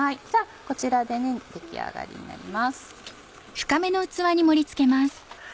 こちらで出来上がりになります。